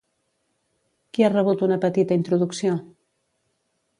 Qui ha rebut una petita introducció?